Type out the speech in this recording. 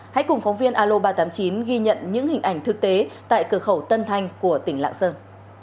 hãy cùng phóng viên alo ba trăm tám mươi chín ghi nhận những hình ảnh thực tế tại cửa khẩu tân thanh của tỉnh lạng sơn